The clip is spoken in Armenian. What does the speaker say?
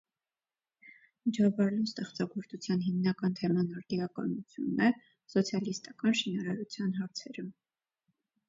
Ջաբարլու ստեղծագործության հիմնական թեման արդիականությունն է, սոցիալիստական շինարարության հարցերը։